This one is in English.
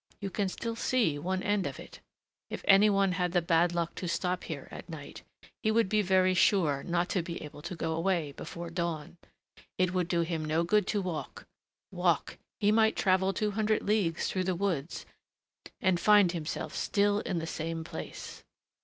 You can still see one end of it. If any one had the bad luck to stop here at night, he would be very sure not to be able to go away before dawn. It would do him no good to walk, walk: he might travel two hundred leagues through the woods and find himself still in the same place."